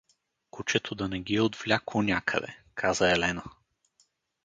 — Кучето да не ги е отвлякло някъде — каза Елена.